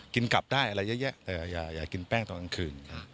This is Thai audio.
กลับได้อะไรเยอะแยะอย่ากินแป้งตอนกลางคืน